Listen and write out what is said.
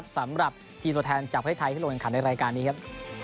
สำหรับทีมตัวแทนจากประเทศไทยที่ลงแข่งขันในรายการนี้ครับ